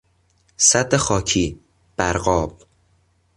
سد خاکی، برغاب